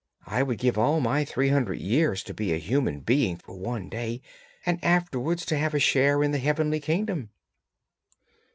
'I would give all my three hundred years to be a human being for one day, and afterwards to have a share in the heavenly kingdom.'